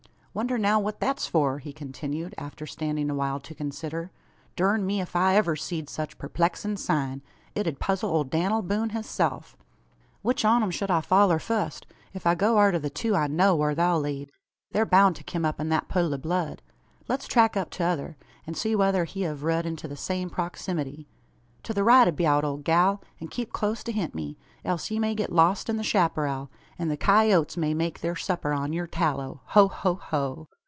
"Wonder now what thet's for?" he continued, after standing awhile to consider. "Durn me ef I iver seed sech perplexin' sign! It ud puzzle ole Dan'l Boone hisself." "Which on 'em shed I foller fust? Ef I go arter the two I know whar they'll lead. They're boun' to kim up in thet puddle o' blood. Let's track up tother, and see whether he hev rud into the same procksimmuty! To the right abeout, ole gal, and keep clost ahint me else ye may get lost in the chapparal, an the coyoats may make thur supper on yur tallow. Ho! ho! ho!"